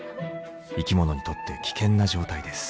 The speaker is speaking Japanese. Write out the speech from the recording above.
生き物にとって危険な状態です。